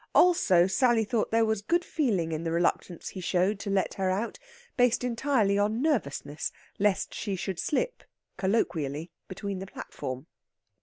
Also, Sally thought there was good feeling in the reluctance he showed to let her out, based entirely on nervousness lest she should slip (colloquially) between the platform.